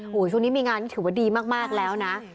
โอ้โหช่วงนี้มีงานนี่ถือว่าดีมากแล้วนะ